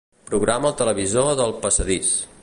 Programa el televisor del passadís.